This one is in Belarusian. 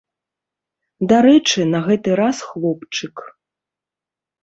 Дарэчы, на гэты раз хлопчык.